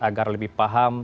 agar lebih paham